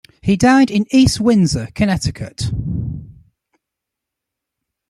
He died in East Windsor, Connecticut.